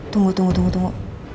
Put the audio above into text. tunggu tunggu tunggu